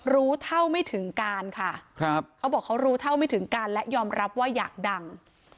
รู้เท่าไม่ถึงการค่ะเขาบอกเขารู้เท่าไม่ถึงการและยอมรับว่าอยากดัง